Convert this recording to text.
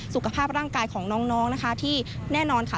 สุขภาพร่างกายของน้องนะคะที่แน่นอนค่ะ